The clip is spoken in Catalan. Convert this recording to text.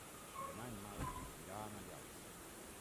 Demà en Marc irà a Maials.